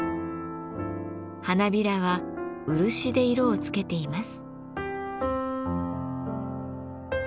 花びらは漆で色をつけています。